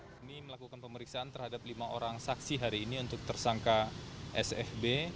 kami melakukan pemeriksaan terhadap lima orang saksi hari ini untuk tersangka sfb